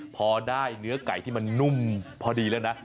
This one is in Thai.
พอได้เนื้อไก่ที่มันนุ่มพอดีแล้วนะ